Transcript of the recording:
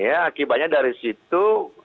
akibatnya dari situ